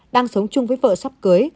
đang sống chung với vợ sắp cưới